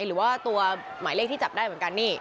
หรือว่าตัวหมายเลขที่จับได้เหมือนกันนี่